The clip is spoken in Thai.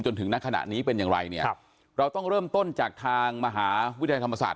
จนถึงณขณะนี้เป็นอย่างไรเนี่ยครับเราต้องเริ่มต้นจากทางมหาวิทยาลัยธรรมศาสต